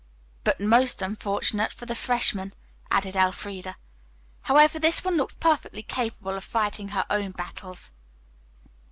"But most unfortunate for the freshman," added Elfreda. "However, this one looks perfectly capable of fighting her own battles."